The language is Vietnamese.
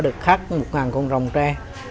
được khắc một ngàn con rồng tre